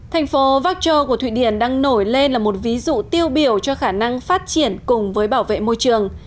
thành phố vác châu của thụy điển đang nổi lên là một ví dụ tiêu biểu cho khả năng phát triển cùng với bảo vệ môi trường